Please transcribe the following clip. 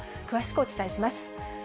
詳しくお伝えします。